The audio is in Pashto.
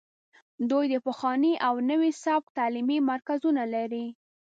دوی د پخواني او نوي سبک تعلیمي مرکزونه لري